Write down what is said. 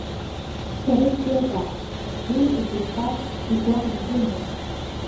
Сара исзеилкаауам уи убысҟак игәаӷ збымоу?